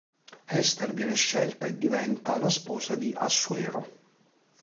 Ester viene scelta e diventa la sposa di Assuero.